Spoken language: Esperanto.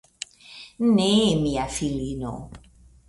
Ne, mia filino!